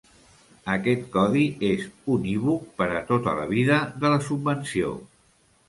Aquest codi és unívoc per a tota la vida de la subvenció.